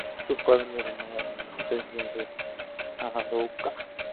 Su padre le donó el Monasterio de Arouca.